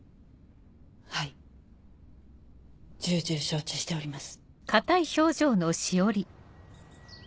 はい重々承知しております。